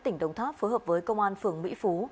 tỉnh đồng tháp phối hợp với công an phường mỹ phú